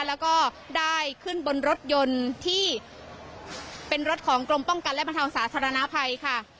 แล้วก็ได้ขึ้นบนรถยนต์ที่เป็นรถของกรมป้องกันและบรรเทาสาธารณภัยค่ะ